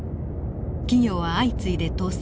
企業は相次いで倒産。